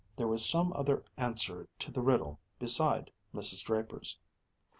There was some other answer to the riddle, beside Mrs. Draper's.